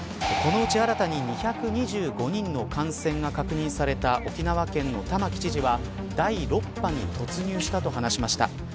このうち新たに２２５人の感染が確認された沖縄県の玉城知事は第６波に突入したと話しました。